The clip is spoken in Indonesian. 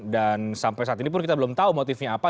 dan sampai saat ini pun kita belum tahu motifnya apa